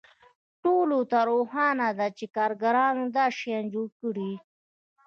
ټولو ته روښانه ده چې کارګرانو دا شیان جوړ کړي